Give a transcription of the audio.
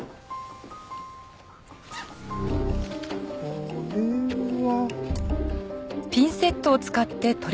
これは。